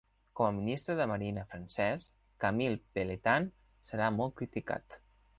Com a ministre de marina francès, Camille Pelletan serà molt criticat.